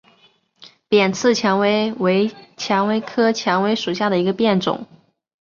扁刺蔷薇为蔷薇科蔷薇属下的一个变种。